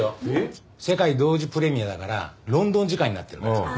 世界同時プレミアだからロンドン時間になってるから。